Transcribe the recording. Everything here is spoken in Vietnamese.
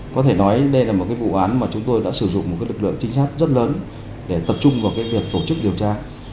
có thể nói đây là một vụ án mà chúng tôi đã sử dụng một lực lượng trinh sát rất lớn để tập trung vào cái việc tổ chức điều tra